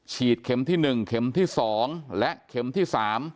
ฉีดเข็มที่๑เข็มที่๒และเข็มที่๓